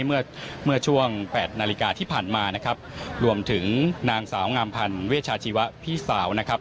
เมื่อเมื่อช่วงแปดนาฬิกาที่ผ่านมานะครับรวมถึงนางสาวงามพันธ์เวชาชีวะพี่สาวนะครับ